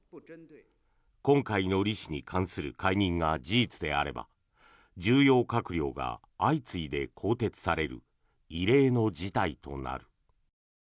今回のリ氏に関する解任が事実であれば重要閣僚が相次いで更迭される異例の事態となる。